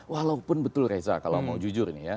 walaupun betul reza kalau mau jujur nih ya